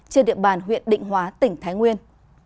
trên địa bàn huyện định hóa tỉnh thái nguyên